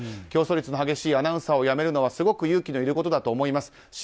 競争率の高いアナウンサーを辞めるのはすごく勇気のいることだと思います。